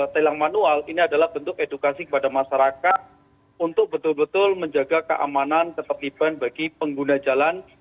tilang manual ini adalah bentuk edukasi kepada masyarakat untuk betul betul menjaga keamanan ketertiban bagi pengguna jalan